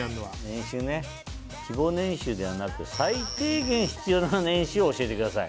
「希望年収ではなく最低限必要な年収を教えてください」。